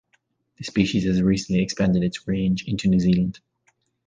The species has recently expanded its range into New Zealand.